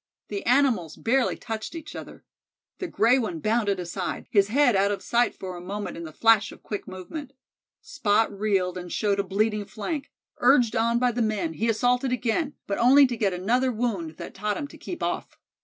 The animals barely touched each other. The gray one bounded aside, his head out of sight for a moment in the flash of quick movement. Spot reeled and showed a bleeding flank. Urged on by the men, he assaulted again, but only to get another wound that taught him to keep off.